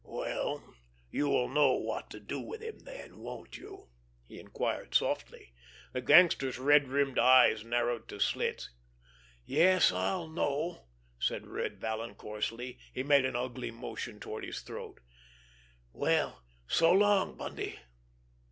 "Well, you'll know what to do with him then, won't you?" he inquired softly. The gangster's red rimmed eyes narrowed to slits. "Yes, I'll know!" said Red Vallon coarsely. He made an ugly motion toward his throat. "Well, so long, Bundy!"